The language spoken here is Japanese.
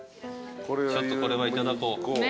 ちょっとこれはいただこう。